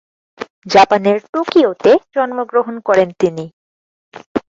জাপানের টোকিওতে জন্মগ্রহণ করেন তিনি।